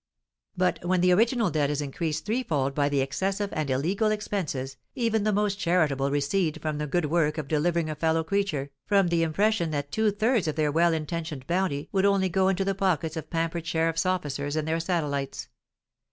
But when the original debt is increased threefold by the excessive and illegal expenses, even the most charitable recede from the good work of delivering a fellow creature, from the impression that two thirds of their well intentioned bounty would only go into the pockets of pampered sheriffs' officers and their satellites.